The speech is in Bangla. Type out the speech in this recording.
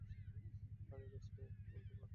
আরে, অ্যালেক্স ভাইয়া বলেছে আমাকে।